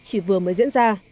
chỉ vừa mới diễn ra